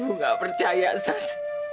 ibu nggak percaya sas